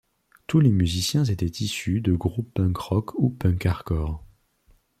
Tous les musiciens étaient issus de groupes punk rock ou punk hardcore.